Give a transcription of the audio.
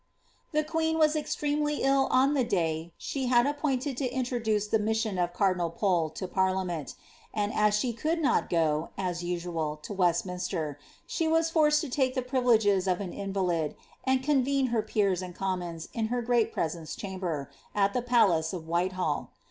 The queen was extremely ill on the day she had appointed to intro duce the mission of cardinal Pole to parliament ; and as she could not go, as usual, to Westminster, she was forced to take the privileges of an invalid, and convene her peers and commons in her great jiresence* chamber, at the palace of Whitehall.